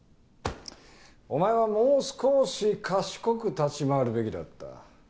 お前はもう少し賢く立ち回るべきだった。